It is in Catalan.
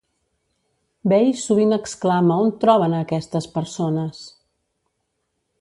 Bey sovint exclama on troben a aquestes persones?!